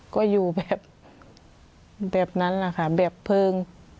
ก็อยู่แบบนั้นแหละค่ะแบบเพลิง